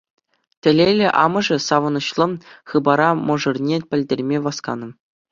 Телейлӗ амӑшӗ савӑнӑҫлӑ хыпара мӑшӑрне пӗлтерме васканӑ.